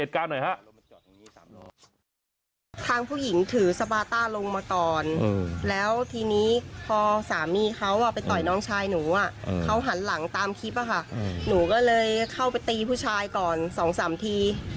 ก็เลยเข้าไปตีผู้ชายก่อน๒๓ที